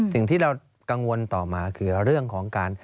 สิ่งที่เรากังวลต่อมาคือเรื่องของการ